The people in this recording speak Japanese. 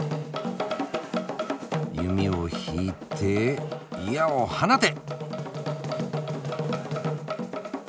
弓を引いて矢を放て！